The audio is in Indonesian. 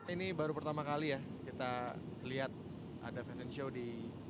ini baru pertama kali ya kita lihat ada fashion show di